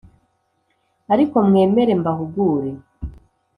ariko mwemere mbahugure